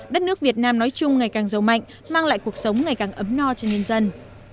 đất nước việt nam nói chung ngày càng giàu mạnh mang lại cuộc sống ngày càng ấm no cho nhân dân